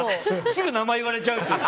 すぐ名前言われちゃうっていう。